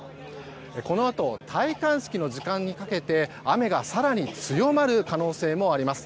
このあと戴冠式の時間にかけて雨が更に強まる可能性もあります。